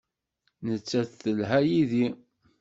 Nettat telha yid-i.